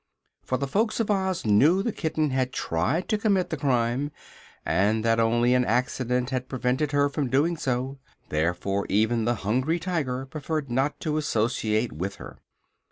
For the folks of Oz knew the kitten had tried to commit the crime, and that only an accident had prevented her from doing so; therefore even the Hungry Tiger preferred not to associate with her.